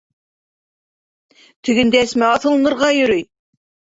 Тегендә Әсмә аҫылынырға йөрөй!